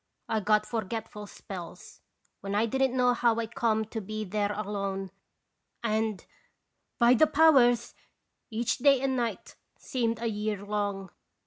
I got forgetful spells, when I didn't know how I come to be there alone, and, by the powers! each day and night seemed a year long.